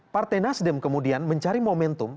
partai nasdem kemudian mencari momentum